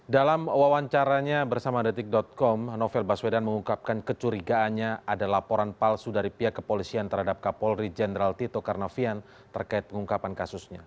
dalam wawancaranya bersama detik com novel baswedan mengungkapkan kecurigaannya ada laporan palsu dari pihak kepolisian terhadap kapolri jenderal tito karnavian terkait pengungkapan kasusnya